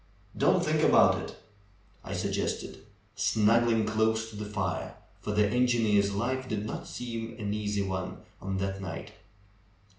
Don't think about it !" I suggested, snuggling close to the fire, for the engineer's life did not seem an easy one on that night.